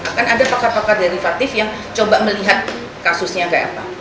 akan ada pakar pakar derivatif yang coba melihat kasusnya kayak apa